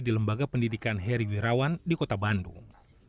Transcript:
di lembaga pendidikan heri wirawan di kota bandung